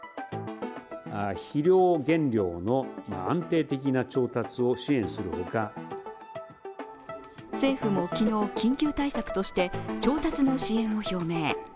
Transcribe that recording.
肥料減量の安定的な調達を支援するほか政府も昨日、緊急対策として調達の支援を表明。